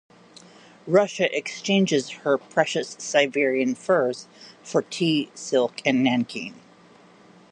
Russia exchanges her precious Siberian furs for tea, silk, and nankeen.